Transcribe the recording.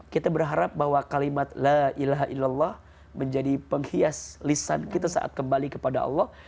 kita berharap bahwa kalimat la ilaha illallah menjadi penghias lisan kita saat kembali kepada allah